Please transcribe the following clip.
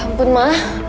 ya ampun ma